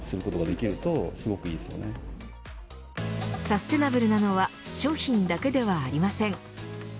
サステナブルなのは商品だけではありません。